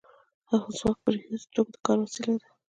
هو ځواک په رښتیا د توکو د کار وسیله ده